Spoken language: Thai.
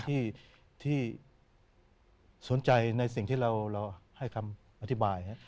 ที่สนใจในสิ่งที่เราให้คำอธิบาย